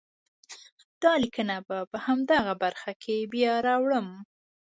دا لیکنه به په همدغه برخه کې بیا راوړم.